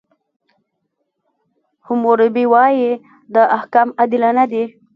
حموربي وایي، دا احکام عادلانه دي.